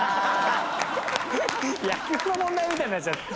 野球の問題みたいになっちゃって。